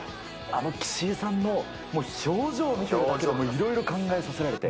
あの岸井さんの表情見ているだけでいろいろ考えさせられて。